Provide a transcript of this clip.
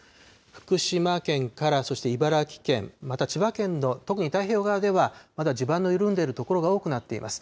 福島県から、そして茨城県、また千葉県の特に太平洋側では、まだ地盤の緩んでいる所が多くなっています。